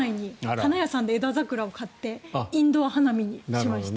花屋さんでエダザクラを買ってインドア花見にしました。